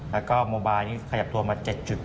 แล้วก็โมบายนี่ขยับตัวมา๗๘